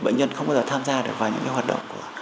bệnh nhân không bao giờ tham gia được vào những hoạt động của